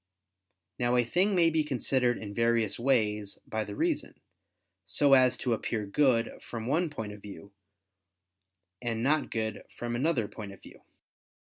Now a thing may be considered in various ways by the reason, so as to appear good from one point of view, and not good from another point of view.